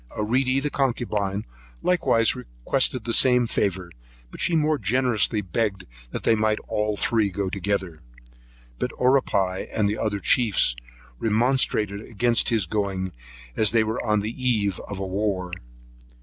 Aeredy, the concubine, likewise requested the same favour; but she more generously begged they might all three go together. But Oripai, and the other chiefs, remonstrated against his going, as they were on the eve of a war.